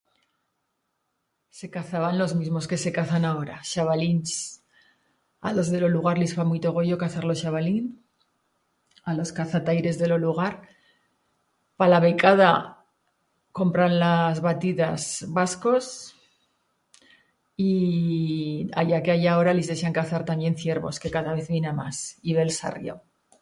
Se cazaban los mismos que se cazan aora, chabalins, a los de lo lugar lis fa muito goyo cazar lo chabalín, a los cazataires de lo lugar. Pa la becada... compran las batidas bascos y allá que allá agora lis deixan cazar tamién ciervos, que cada vez bi'n ha mas, y bel sarrio.